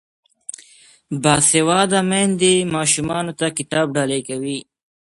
باسواده میندې ماشومانو ته کتاب ډالۍ کوي.